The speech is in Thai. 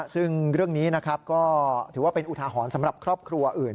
ซึ่งเรื่องนี้นะครับก็ถือว่าเป็นอุทาหรณ์สำหรับครอบครัวอื่น